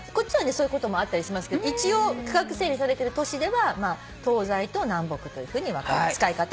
そういうこともあったりしますけど一応区画整理されてる都市では東西と南北というふうに使い方は分かれております。